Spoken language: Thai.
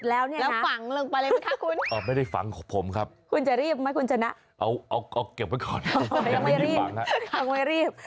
แล้วฝังลงไปเลยมั๊ยคะคุณคุณจะรีบไหมเอาเก็บไว้ก่อนในฝังค่ะอ้าง่ายรีบ